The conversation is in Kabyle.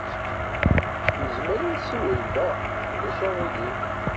Nezmer ad nessiwel da. Ulac aɣilif.